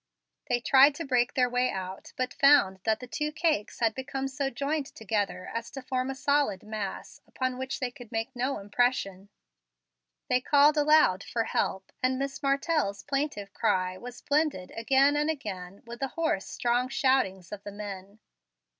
They tried to break their way out, but found that the two cakes had become so joined together as to form a solid mass, upon which they could make no impression. They called aloud for help, and Miss Martell's plaintive cry was blended again and again with the hoarse, strong shoutings of the men.